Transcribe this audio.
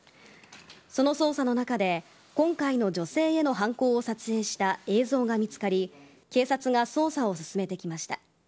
その捜査の中で今回の女性への犯行を撮影した映像が見つかり警察が捜査を進めてきました。